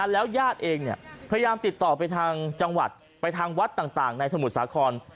แล้วญาติเองพยายามติดต่อไปทางจังหวัดไปทางวัดต่างในสมุทรสาคร